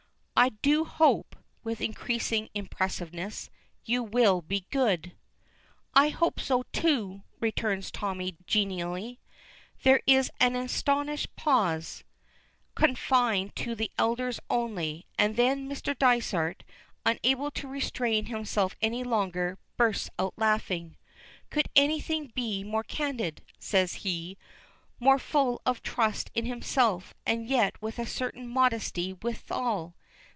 I do hope," with increasing impressiveness, "you will be good." "I hope so, too," returns Tommy, genially. There is an astonished pause, confined to the elders only, and then, Mr. Dysart, unable to restrain himself any longer, bursts but laughing. "Could anything be more candid?" says he; "more full of trust in himself, and yet with a certain modesty withal!